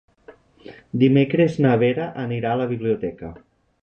Dimecres na Vera anirà a la biblioteca.